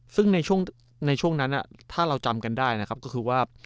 ซึ่งในช่วงนั้นถ้าเราจำกันได้นะครับก็คือว่า